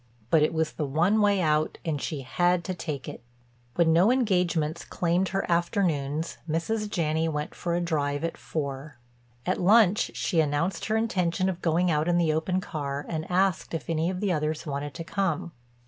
But it was the one way out and she had to take it. When no engagements claimed her afternoons Mrs. Janney went for a drive at four. At lunch she announced her intention of going out in the open car and asked if any of the others wanted to come.